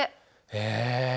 へえ。